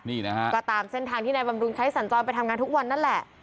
นี่นะฮะก็ตามเส้นทางที่นายบำรุงใช้สัญจรไปทำงานทุกวันนั่นแหละ